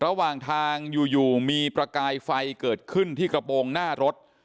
ระหว่างทางอยู่มีประกายไฟเกิดขึ้นที่กระโปรงหน้ารถ